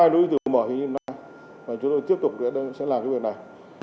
hai lối đi tự mở thì chúng tôi tiếp tục sẽ làm cái việc này